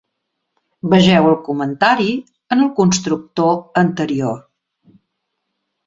Vegeu el comentari en el constructor anterior.